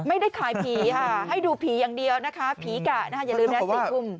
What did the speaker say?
ไม่ได้ขายผีค่ะให้ดูผีอย่างเดียวนะคะผีกะนะคะอย่าลืมนะ๔ทุ่ม